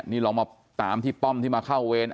นี่ลองมาตามที่ป้อมที่มาเข้าเวร